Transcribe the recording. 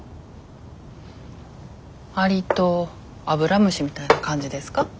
アリとアブラムシみたいな感じですか？